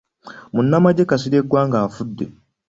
Munnamagye Kasirye Ggwanga afudde.